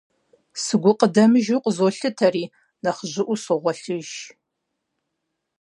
Сыгукъыдэмыжу къызолъытэри, нэхъ жьыӀуэу согъуэлъыж.